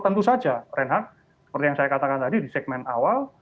tentu saja renhat seperti yang saya katakan tadi di segmen awal